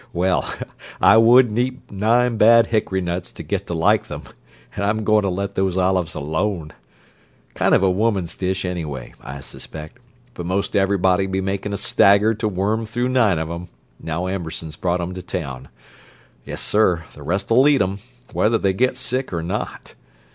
Well, I wouldn't eat nine bad hickory nuts to get to like them, and I'm going to let these olives alone. Kind of a woman's dish, anyway, I suspect, but most everybody'll be makin' a stagger to worm through nine of 'em, now Ambersons brought 'em to town. Yes, sir, the rest'll eat 'em, whether they get sick or not!